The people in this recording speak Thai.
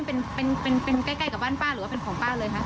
เป็นใกล้กับบ้านป้าหรือว่าเป็นของป้าเลยคะ